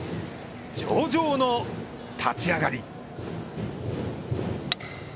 上々の立ち上がり。